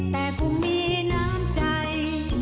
แต่คงมีน้ำใจ